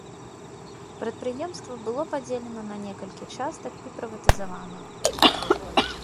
Прадпрыемства было падзелена на некалькі частак і прыватызавана.